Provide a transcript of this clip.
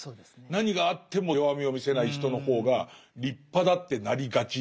何があっても弱みを見せない人の方が立派だってなりがちじゃないですか。